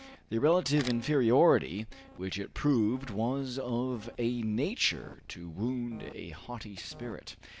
The relative inferiority which it proved was of a nature to wound a haughty spirit.